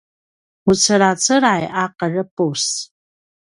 vucelacelay a ’erepus